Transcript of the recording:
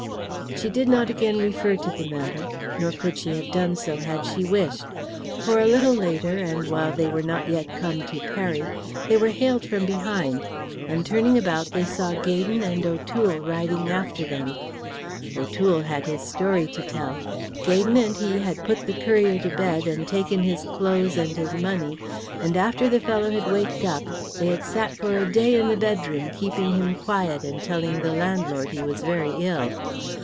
She did not again refer to the matter, nor could she so have done had she wished. For a little later and while they were not yet come to Peri, they were hailed from behind, and turning about they saw Gaydon and O'Toole riding after them. O'Toole had his story to tell. Gaydon and he had put the courier to bed and taken his clothes and his money, and after the fellow had waked up, they had sat for a day in the bedroom keeping him quiet and telling the landlord he was very ill.